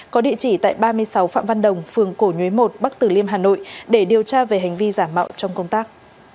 có địa chỉ tại ba mươi sáu phạm văn đồng phường cổ nhuế một bắc tử liêm hà nội để điều tra về hành vi giả mạo trong công tác